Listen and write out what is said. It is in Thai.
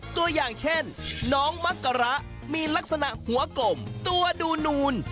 ตัวอย่างเช่นน้องมักกระมีลักษณะหัวกลมตัวดูนูน